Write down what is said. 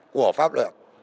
của pháp luật